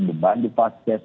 beban di fases